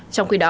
trong khi đó